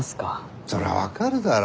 そりゃ分かるだろ。